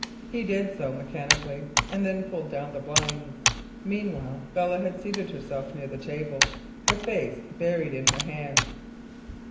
He did so mechanically, and then pulled down the blinds. Meanwhile Belle had seated herself near the table, her face buried in her hands.